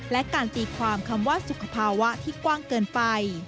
และการตีความคำว่าสุขภาวะที่กว้างเกินไป